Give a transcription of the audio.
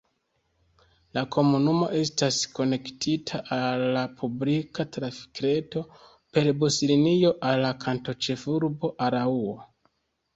La komunumo estas konektita al la publika trafikreto per buslinio al la kantonĉefurbo Araŭo.